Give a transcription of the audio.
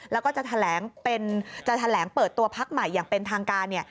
แล้วก็จะแถลงเปิดตัวพักใหม่อย่างเป็นทางการ